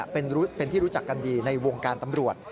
เป็นที่รู้จักกันดีในวงการตำรวจ